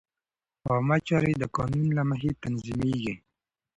عامه چارې د قانون له مخې تنظیمېږي.